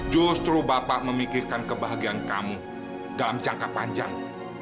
justru bapak memikirkan kebahagiaan kamu dalam jangka panjang